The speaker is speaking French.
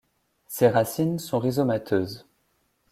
Ses racines sont rhizomateuses.